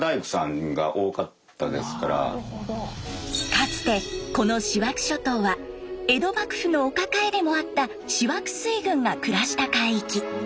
かつてこの塩飽諸島は江戸幕府のお抱えでもあった塩飽水軍が暮らした海域。